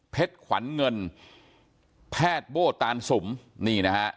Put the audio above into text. ขวัญเงินแพทย์โบ้ตานสุมนี่นะฮะ